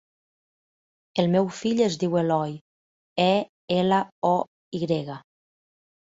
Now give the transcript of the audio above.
El meu fill es diu Eloy: e, ela, o, i grega.